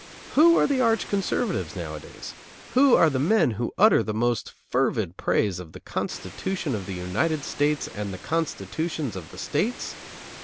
Who are the arch conservatives nowadays? Who are the men who utter the most fervid praise of the Constitution of the United States and the constitutions of the states?